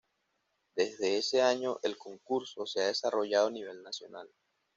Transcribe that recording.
Desde ese año el concurso se ha desarrollado a nivel nacional.